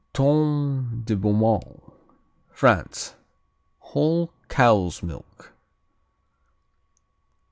Tome de Beaumont France Whole cow's milk.